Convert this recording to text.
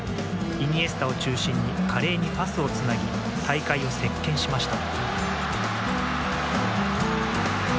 イニエスタを中心に華麗にパスをつなぎ大会を席巻しました。